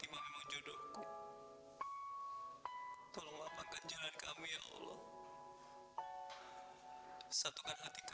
itu dong sir kita ngerampas rumah kita